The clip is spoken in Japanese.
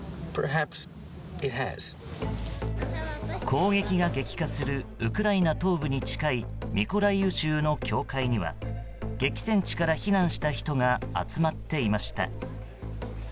攻撃が激化するウクライナ東部に近いミコライウ州の教会には激戦地から避難した人が集まっていました。